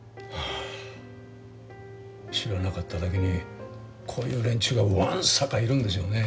知らなかっただけにこういう連中がわんさかいるんですよね。